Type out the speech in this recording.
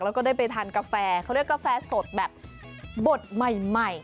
แล้วก็ได้ไปทานกาแฟเขาเรียกกาแฟสดแบบบดใหม่